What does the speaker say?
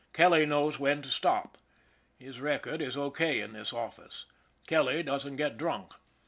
Kelly knows when to stop. His record is O. K. in this office. Kelly doesn't get drunk.